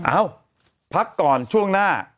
เอ้าพักก่อนช่วงหน้า